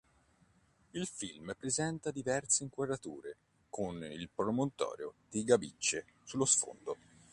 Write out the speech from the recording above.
Il film presenta diverse inquadrature con il promontorio di Gabicce sullo sfondo.